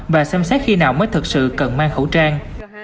và xem xét khi nào mới thực sự cần mang khẩu trang